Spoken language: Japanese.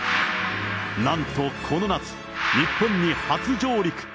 なんとこの夏、日本に初上陸。